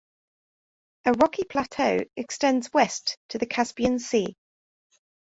A rocky plateau extends west to the Caspian Sea.